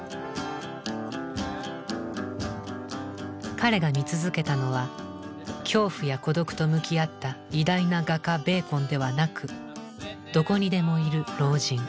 彼が見続けたのは恐怖や孤独と向き合った偉大な画家ベーコンではなくどこにでもいる老人。